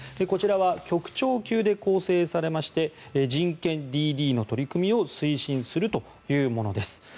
こちらは局長級で構成されまして人権ＤＤの取り組みを推進するというものです。